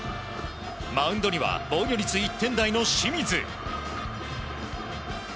マウンドには防御率１点台の清水。